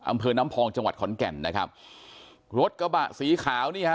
อำเภอน้ำพองจังหวัดขอนแก่นนะครับรถกระบะสีขาวนี่ฮะ